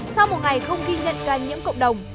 sau một ngày không ghi nhận ca nhiễm cộng đồng